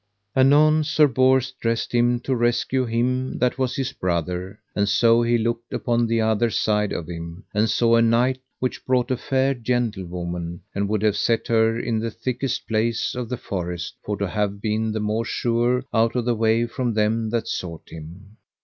Anon Sir Bors dressed him to rescue him that was his brother; and so he looked upon the other side of him, and saw a knight which brought a fair gentlewoman, and would have set her in the thickest place of the forest for to have been the more surer out of the way from them that sought him.